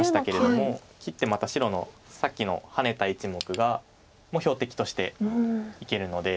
切ってまた白のさっきのハネた１目も標的としていけるので。